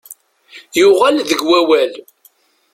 Yuɣal deg wawal.